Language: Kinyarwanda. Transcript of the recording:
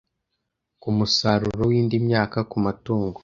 ku musaruro w’indi myaka, ku matungo